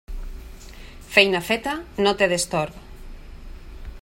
Feina feta no té destorb.